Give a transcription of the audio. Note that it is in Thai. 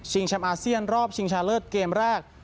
ชิงชาเลิศเกมแรก